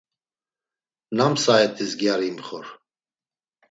Nam saat̆is gyari imxor?